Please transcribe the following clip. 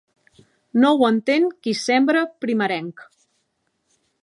No ho entén qui sembra primerenc.